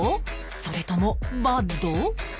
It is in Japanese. それともバッド？